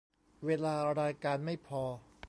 เวลารายการไม่พอ